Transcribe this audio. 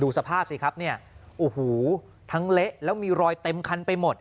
สภาพสิครับเนี่ยโอ้โหทั้งเละแล้วมีรอยเต็มคันไปหมด